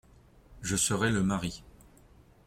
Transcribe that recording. Je serais le mari…